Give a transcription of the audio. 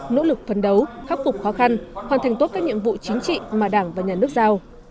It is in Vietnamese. nỗ lực phấn đấu khắc phục khó khăn hoàn thành tốt các nhiệm vụ chính trị mà đảng và nhà nước giao